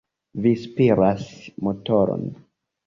Vi spiras motoron!